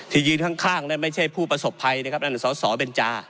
ที่ยืนข้างไม่ใช่ผู้ประสบภัยนะครับนั่นหรือสอเป็นจ้า